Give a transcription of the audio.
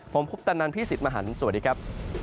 ผมพุทธนันทร์พี่สิทธิ์มหันธ์สวัสดีครับ